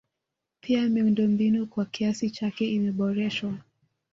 Pia miundombinu kwa kiasi chake imeboreshwa